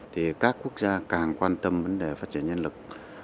thì các quốc gia càng quan tâm vấn đề phát triển nhân lực